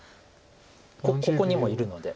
ここにもいるので。